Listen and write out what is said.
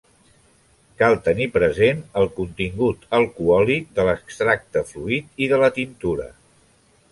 Cal tenir present el contingut alcohòlic de l'extracte fluid i de la tintura.